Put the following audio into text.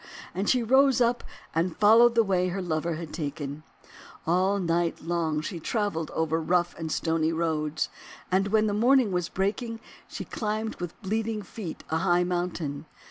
And she rose up and followed the way her lover had taken. All night long she travelled over rough and stony roads, and when the morn ing was breaking she climbed with bleeding feet a high mountain.